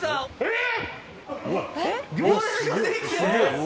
えっ！？